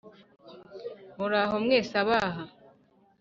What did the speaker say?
muraho mwese abaha